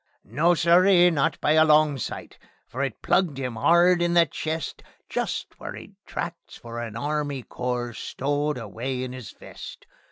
No, siree! not by a long sight! For it plugged 'im 'ard on the chest, Just where 'e'd tracts for a army corps stowed away in 'is vest.